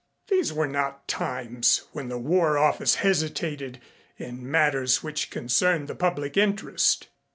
These were not times when the War Office hesitated in matters which concerned the public interest.